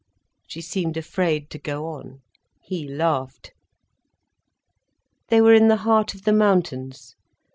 She seemed afraid to go on. He laughed. They were in the heart of the mountains.